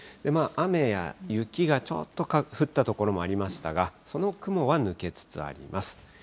まあ、雨や雪がちょっと降った所もありましたが、その雲は抜けつつあります。